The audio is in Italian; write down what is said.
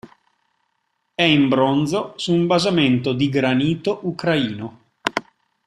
È in bronzo, su un basamento di granito ucraino.